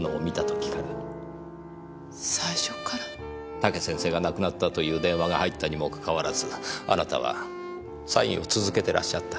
武先生が亡くなったという電話が入ったにもかかわらずあなたはサインを続けてらっしゃった。